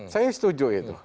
saya setuju itu